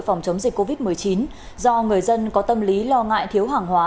phòng chống dịch covid một mươi chín do người dân có tâm lý lo ngại thiếu hàng hóa